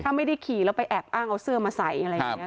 ถ้าไม่ได้ขี่แล้วไปแอบอ้างเอาเสื้อมาใส่อะไรอย่างนี้